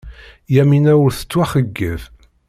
Yamina ur tettwaxeyyeb.